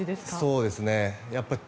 そうですね。